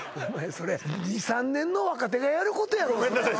それ２３年の若手がやることやろごめんなさい